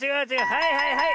はいはいはい。